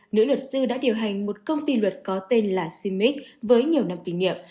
nữ luật sư đã điều hành một công ty luật có tên là simic với nhiều năm kinh nghiệm